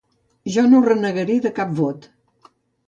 Jo no renegaré de cap vot.